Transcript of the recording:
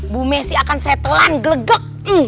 bu messi akan saya telan gelege